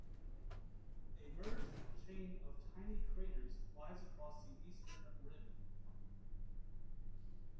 A merged chain of tiny craters lies across the eastern rim.